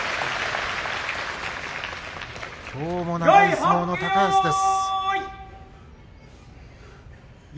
きょうも長い相撲の高安です。